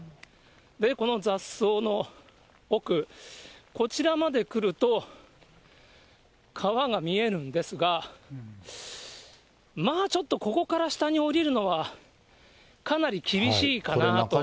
この雑草の奥、こちらまで来ると、川が見えるんですが、まあ、ちょっとここから下に下りるのは、かなり厳しいかなと。